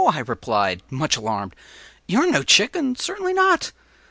” I replied, much alarmed, “you are no chicken—certainly not.